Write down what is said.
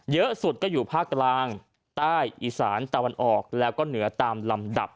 เยอะสุดก็อยู่ภาคกลางใต้อีสานตะวันออกแล้วก็เหนือตามลำดับ